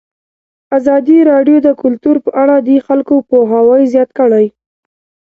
ازادي راډیو د کلتور په اړه د خلکو پوهاوی زیات کړی.